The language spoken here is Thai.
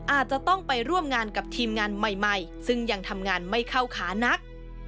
อาจจะต้องไปร่วมงานกับทีมงานใหม่ซึ่งยังทำงานไม่เข้าขานัก